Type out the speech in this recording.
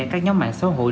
các nhóm mạng xã hội